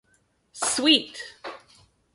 Suite!